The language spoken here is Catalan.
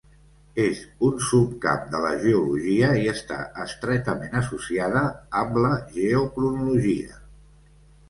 És un subcamp de la geologia i està estretament associada amb la geocronologia.